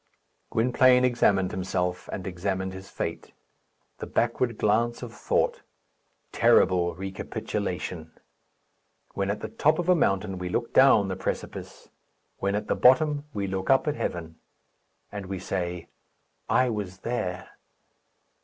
Gwynplaine examined himself, and examined his fate. The backward glance of thought; terrible recapitulation! When at the top of a mountain, we look down the precipice; when at the bottom, we look up at heaven. And we say, "I was there."